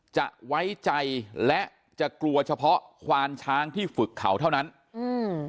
จะไว้ใจและจะกลัวเฉพาะควานช้างที่ฝึกเขาเท่านั้นอืม